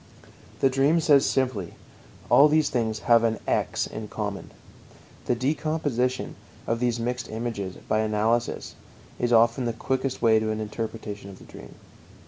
The dream says simply: All these things have an "x" in common. The decomposition of these mixed images by analysis is often the quickest way to an interpretation of the dream.